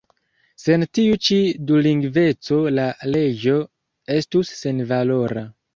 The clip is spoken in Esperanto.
Sen tiu ĉi dulingveco la leĝo estus senvalora.